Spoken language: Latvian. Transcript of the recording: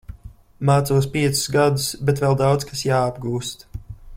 Mācos piecus gadus, bet vēl daudz kas jāapgūst.